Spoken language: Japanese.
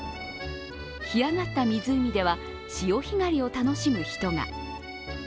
干上がった湖では潮干狩りを楽しむ人が。